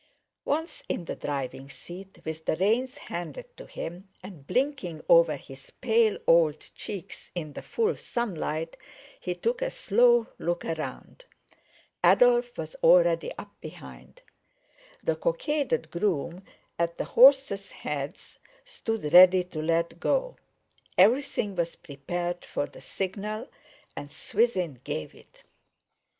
Once in the driving seat, with the reins handed to him, and blinking over his pale old cheeks in the full sunlight, he took a slow look round—Adolf was already up behind; the cockaded groom at the horses' heads stood ready to let go; everything was prepared for the signal, and Swithin gave it.